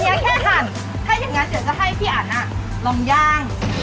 ถ้าอย่างนั้นเดี๋ยวจะให้พี่อันลองย่าง